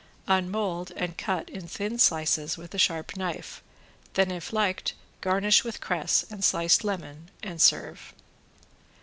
Unmold and cut in thin slices with a sharp knife, then if liked garnish with cress and sliced lemon and serve.